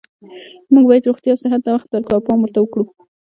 موږ باید روغتیا او صحت ته وخت ورکړو او پام ورته کړو